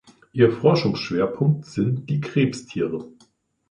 Ihr Forschungsschwerpunkt sind die Krebstiere.